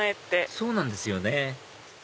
そうなんですよね